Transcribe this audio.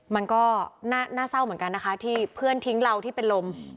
มันก็น่าเศร้าเหมือนกันนะคะที่เพื่อนทิ้งเราที่เป็นลม